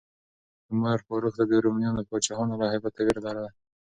عمر فاروق ته د رومیانو پاچاهانو له هیبته ویره لرله.